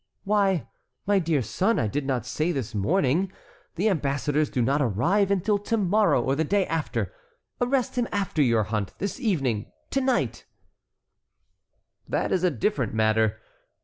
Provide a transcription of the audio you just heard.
"Why, my dear son, I did not say this morning. The ambassadors do not arrive until to morrow or the day after. Arrest him after your hunt, this evening—to night"— "That is a different matter.